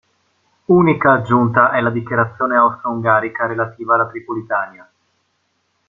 Unica aggiunta è la dichiarazione austro-ungarica relativa alla Tripolitania.